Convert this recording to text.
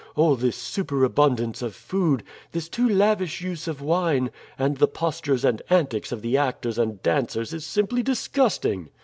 All this superabundance of food, this too lavish use of wine, and the postures and antics of the actors and dancers is simply disgusting.